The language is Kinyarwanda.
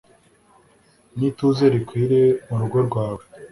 n’ituze rikwire mu rugo rwawe